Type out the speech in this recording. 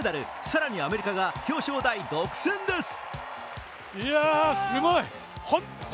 更に、アメリカが表彰台独占です。